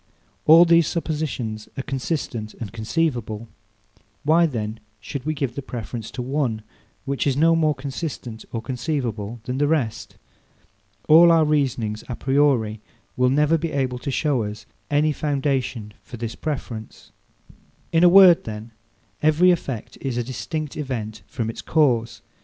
All these suppositions are consistent and conceivable. Why then should we give the preference to one, which is no more consistent or conceivable than the rest? All our reasonings a priori will never be able to show us any foundation for this preference. In a word, then, every effect is a distinct event from its cause.